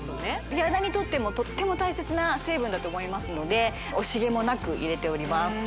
美肌にとってもとっても大切な成分だと思いますので惜しげもなく入れております